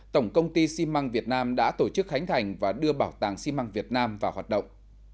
tổng công ty xi măng việt nam đã tổ chức khánh thành và đưa bảo tàng xi măng việt nam vào hoạt động